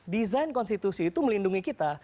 desain konstitusi itu melindungi kita